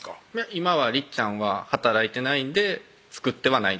今はりっちゃんは働いてないんで作ってはないです